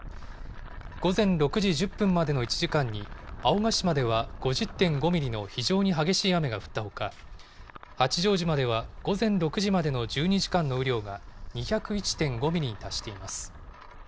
午前６時１０分までの１時間に、青ヶ島では５０．５ミリの非常に激しい雨が降ったほか、八丈島では午前６時までの１２時間の雨量が２０１．５ミリに達しています。